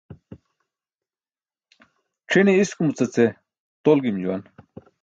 C̣ʰine iskumuca ce tol gim juwan.